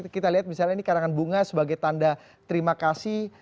kita lihat misalnya ini karangan bunga sebagai tanda terima kasih